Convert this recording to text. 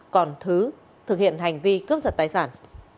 còn thứ thực hiện hành vi cướp giật tài sản